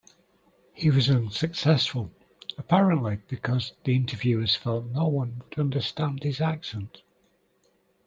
He was unsuccessful, apparently because the interviewers felt no-one would understand his accent.